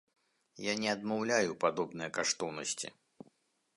Я не адмаўляю падобныя каштоўнасці.